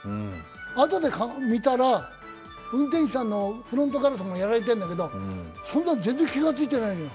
あとで見たら運転手さんのフロントガラスもやられてるんだけどそんなん全然気がついてないのよ。